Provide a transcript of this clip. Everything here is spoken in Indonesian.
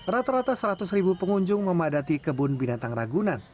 rata rata seratus ribu pengunjung memadati kebun binatang ragunan